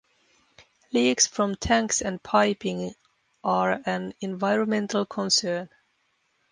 Leaks from tanks and piping are an environmental concern.